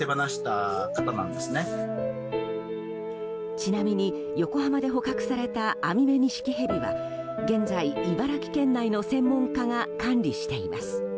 ちなみに、横浜で捕獲されたアミメニシキヘビは現在、茨城県内の専門家が管理しています。